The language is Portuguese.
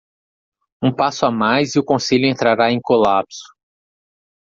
Um passo a mais e o conselho entrará em colapso.